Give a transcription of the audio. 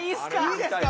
いいですか？